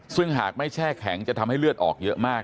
ซึ่งหากไม่แช่แข็งจะทำให้เลือดออกเยอะมาก